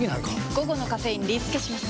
午後のカフェインリスケします！